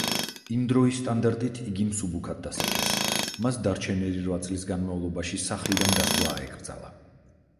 იმ დროის სტანდარტით, იგი მსუბუქად დასაჯეს: მას დარჩენილი რვა წლის განმავლობაში სახლიდან გასვლა აეკრძალა.